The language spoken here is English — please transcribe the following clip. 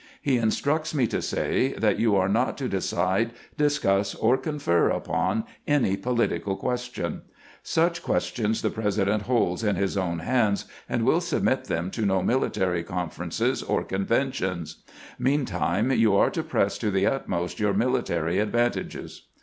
He instructs me to say that you are not to decide, discuss, or confer upon any political question. Such questions the President holds in his own hands, and will submit them to no military confer ences or conventions. Meantime you are to press to the utmost your military advantages."